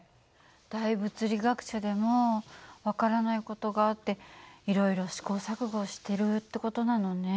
大物理学者でも分からない事があっていろいろ試行錯誤をしてるって事なのね。